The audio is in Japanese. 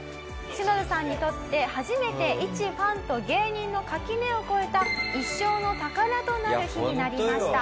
「シノダさんにとって初めて一ファンと芸人の垣根を越えた一生の宝となる日になりました」